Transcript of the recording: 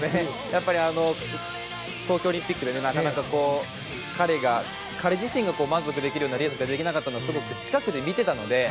やっぱり東京オリンピックでなかなか、彼自身が満足できるようなレースができなかったのをすごく近くで見ていたので。